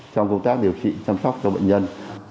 trong công tác điều trị chăm sóc cho bệnh nhân